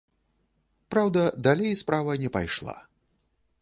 Праўда, далей справа не пайшла.